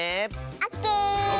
オッケー！